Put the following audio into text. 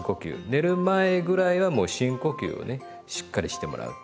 寝る前ぐらいはもう深呼吸をねしっかりしてもらう。